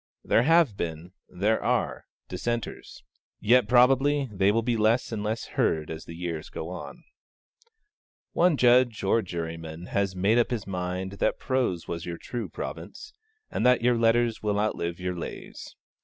There have been, there are, dissenters; yet probably they will be less and less heard as the years go on. One judge, or juryman, has made up his mind that prose was your true province, and that your letters will outlive your lays.